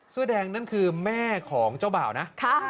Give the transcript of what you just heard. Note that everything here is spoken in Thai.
เสื้อแดงนั่นคือแม่ของเจ้าบ่าวนะ